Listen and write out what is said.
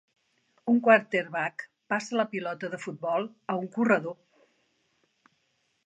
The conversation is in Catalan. Un quarterback passa la pilota de futbol a un corredor.